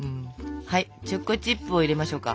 はいチョコチップを入れましょうか。